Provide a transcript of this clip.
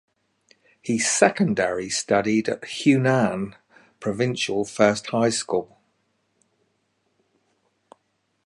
He secondary studied at Hunan Provincial First High School.